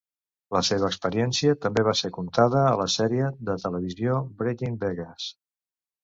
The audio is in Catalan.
La seva experiència també va ser contada a la sèrie de televisió Breaking Vegas.